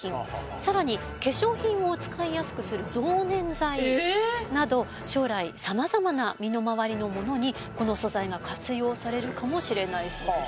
更に化粧品を使いやすくする増粘剤など将来さまざまな身の回りのものにこの素材が活用されるかもしれないそうです。